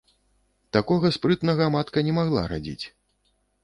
Такога спрытнага матка не магла радзіць.